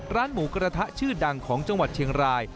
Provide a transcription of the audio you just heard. ร้านหมูกระทะชื่อดังของจังหวัดเชียงราย